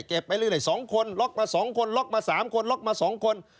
ไปเรื่อย๒คนล็อกมา๒คนล็อกมา๓คนล็อกมา๒คน